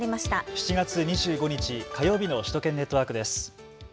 ７月２５日、火曜日の首都圏ネットワークです。